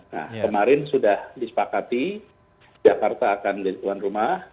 nah kemarin sudah disepakati jakarta akan menjadi tuan rumah